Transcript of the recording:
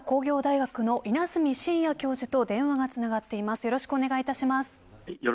芝浦工業大学の稲積真哉教授と電話がつながっています。